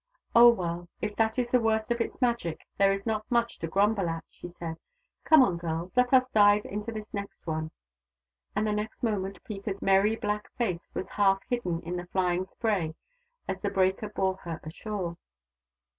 " Oh, well, if that is the worst of its Magic, there is not much to grumble at," she said. " Come on, girls, let us dive into this next one !" And the next moment Peeka's merry black face was half hidden in the flying spray as the breaker bore her ashore.